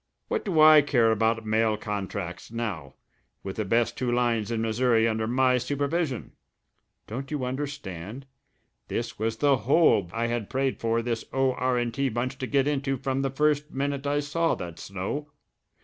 What do I care about mail contracts now with the best two lines in Missouri under my supervision? Don't you understand? This was the hole that I had prayed for this O.R. & T. bunch to get into from the first minute I saw that snow.